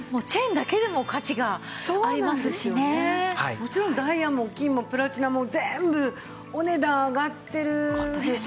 もちろんダイヤも金もプラチナも全部お値段上がってるでしょ？